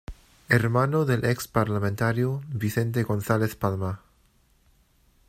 Hermano del ex parlamentario, Vicente González Palma.